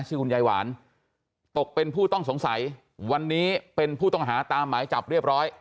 ชื่อคุณยายหวานตกเป็นผู้ต้องสงสัยวันนี้เป็นผู้ต้องหาตามหมายจับเรียบร้อย